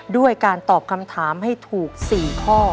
ด้วยการตอบคำถามให้ถูก๔ข้อ